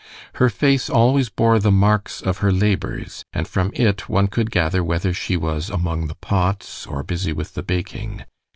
Her face always bore the marks of her labors, and from it one could gather whether she was among the pots or busy with the baking.